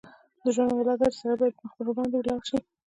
د ژوند معامله داده چې سړی باید مخ پر وړاندې ولاړ شي.